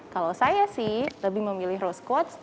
kalau saya sih lebih memilih rose coach